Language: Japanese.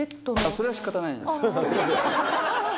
それはしかたないです。